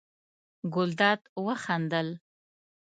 ګلداد وخندل.